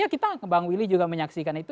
ya kita mbak willy juga menyaksikan itu